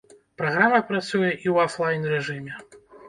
Праграма працуе і ў афлайн-рэжыме.